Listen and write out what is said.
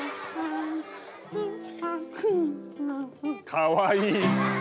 かわいい！